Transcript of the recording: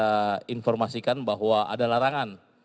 kita informasikan bahwa ada larangan